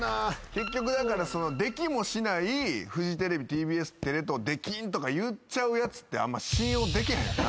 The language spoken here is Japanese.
結局だからできもしないフジテレビＴＢＳテレ東出禁とか言っちゃうやつってあんま。